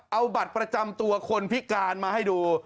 เอาบัตรประจำตัวคนพิการมาให้ดู